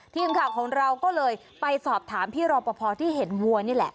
ทีมข่าวของเราก็เลยไปสอบถามพี่รอปภที่เห็นวัวนี่แหละ